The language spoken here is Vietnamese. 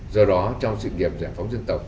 do đó trong sự nghiệp giải phóng dân tộc